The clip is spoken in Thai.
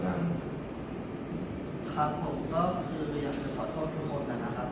ครับครับผมก็คืออยากจะขอโทษทุกคนนะครับ